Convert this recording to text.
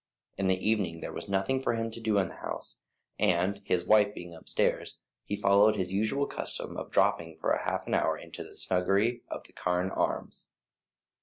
In the evening there was nothing for him to do in the house, and his wife being upstairs, he followed his usual custom of dropping for half an hour into the snuggery of the "Carne Arms."